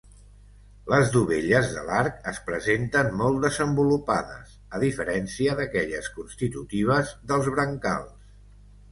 Les dovelles de l'arc es presenten molt desenvolupades, a diferència d'aquelles constitutives dels brancals.